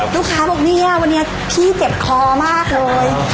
ลูกค้าบอกเนี่ยวันนี้พี่เจ็บคอมากเลย